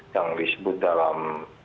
yang disebut dalam